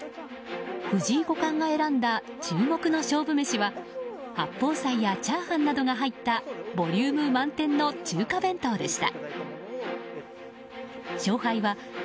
藤井五冠が選んだ注目の勝負メシは八宝菜やチャーハンなどが入ったボリューム満点の中華弁当でした。